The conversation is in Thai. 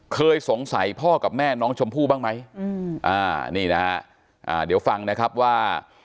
เคยสงสัยพ่อกับแม่น้องชมพู่บ้างไหมนี่นะฮะเดี๋ยวฟังนะครับว่า